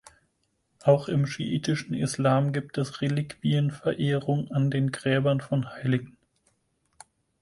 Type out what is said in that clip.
Auch im schiitischen Islam gibt es Reliquienverehrung an den Gräbern von Heiligen.